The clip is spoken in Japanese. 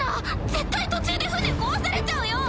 絶対途中で船壊されちゃうよ。